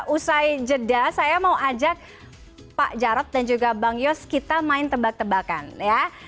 usai jeda saya mau ajak pak jarod dan juga bang yos kita main tebak tebakan ya